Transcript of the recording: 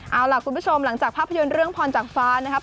เอาล่ะคุณผู้ชมหลังจากภาพยนตร์เรื่องพรจากฟ้านะครับ